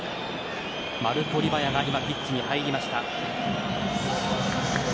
マルコ・リヴァヤが今、ピッチに入りました。